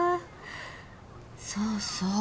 そうそう。